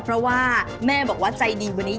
เพราะว่าแม่บอกว่าใจดีกว่านี้